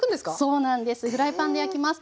そうなんです。